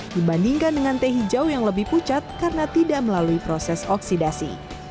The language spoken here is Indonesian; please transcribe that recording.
dibandingkan dengan teh hijau yang lebih pucat karena tidak melalui proses oksidasi